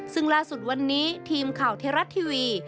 ซึ่งล่าสุดวันนี้ทีมข่าวเทราะทีวี